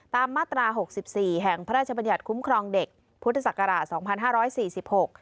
ตามมาตรา๖๔แห่งพระราชบรรยัติคุ้มครองเด็กพุทธศักราช๒๕๔๖